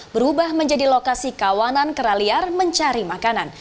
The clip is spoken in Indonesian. berubah menjadi lokasi kawanan kera liar mencari makanan